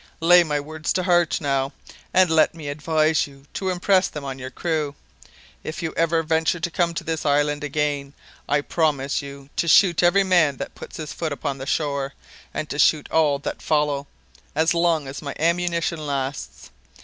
Lay my words to heart, now, and let me advise you to impress them on your crew. If you ever venture to come to this island again, I promise you to shoot every man that puts his foot upon the shore, and to shoot all that follow, as long as my ammunition lasts.